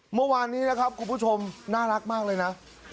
เมื่อวานนี้นะครับคุณผู้ชมน่ารักมากเลยนะ